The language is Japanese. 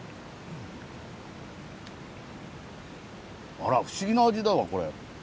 あら不思議な味だわこれ。